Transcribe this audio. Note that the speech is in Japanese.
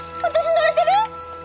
乗れてる！